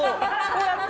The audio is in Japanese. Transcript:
こうやって。